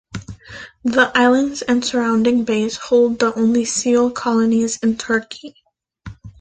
The islands and surrounding bays hold the only seal colonies in Turkey.